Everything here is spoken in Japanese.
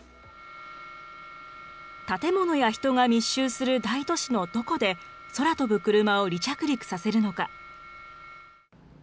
建物や人が密集する大都市のどこで、空飛ぶクルマを離着陸させるのか。